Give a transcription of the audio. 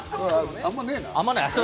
あんまねぇな。